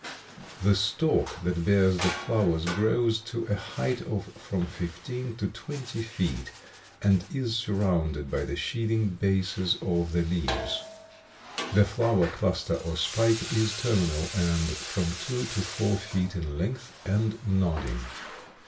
The stalk that bears the flowers grows to a height of from fifteen to twenty feet and is surrounded by the sheathing bases of the leaves. The flower cluster or spike is terminal and from two to four feet in length and nodding.